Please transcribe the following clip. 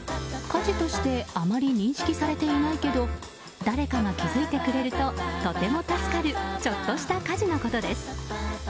家事としてあまり認識されていないけど誰かが気づいてくれるととても助かるちょっとした家事のことです。